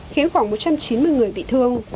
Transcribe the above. khiến khoảng một trăm chín mươi người bị thương